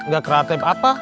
gak kreatif apa